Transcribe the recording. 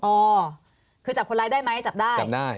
โอเผื่อจับคนร้ายได้มั้ยจับได้